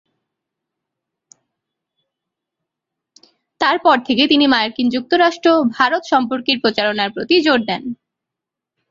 তার পর থেকে তিনি মার্কিন যুক্তরাষ্ট্র-ভারত সম্পর্কের প্রচারণার প্রতি জোর দেন।